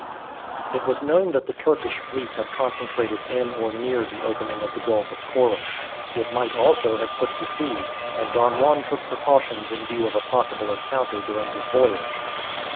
It was known that the Turkish fleet had concentrated in or near the opening of the Gulf of Corinth. It might also have put to sea, and Don Juan took precautions in view of a possible encounter during his voyage.